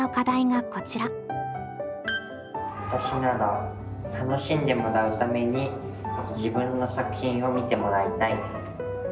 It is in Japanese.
わたしなら楽しんでもらうために自分の作品を見てもらいたい。